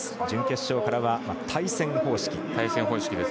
準決勝からは、対戦方式。